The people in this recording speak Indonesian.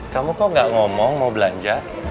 kamu kok gak ngomong mau belanja